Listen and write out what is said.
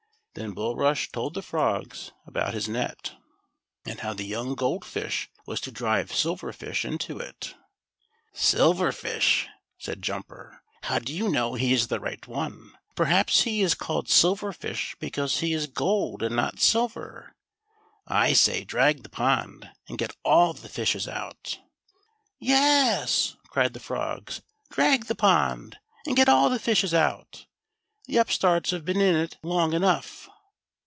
Then Bulrush told the frogs about his net, THE SILVER FISH. 39 and liow the j'oung Gold Fish was to drive Silver Fish into it. "Siiver Fish," said Jumper; "how do you know he is the right one ? pcihaps he is called Silver Fish because he is gold, and not silver. I say, drag the pond, and get all the fishes out." "Yes," cried the frogs; "drag the pond, and get all the fishes out. The upstarts have been in it long enough."